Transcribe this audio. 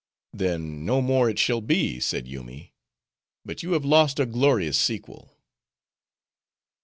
"Then no more it shall be," said Yoomy, "But you have lost a glorious sequel."